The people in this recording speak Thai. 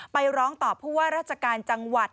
ไปร้องต่อผู้ว่าราชการจังหวัด